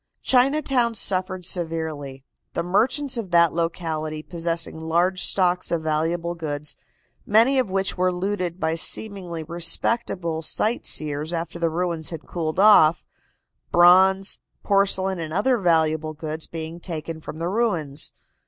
Chinatown suffered severely, the merchants of that locality possessing large stocks of valuable goods, many of which were looted by seemingly respectable sightseers after the ruins had cooled off, bronze, porcelain and other valuable goods being taken from the ruins.